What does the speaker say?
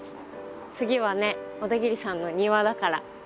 次はね小田切さんの庭だから。